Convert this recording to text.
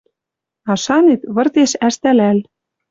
А шанет — выртеш ӓштӓлӓл.